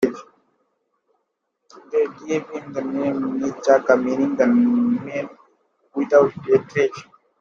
They gave him the name N'Chaka, meaning "the man without a tribe".